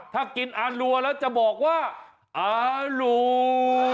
ถ้ากินอารัวแล้วจะบอกว่าอารัว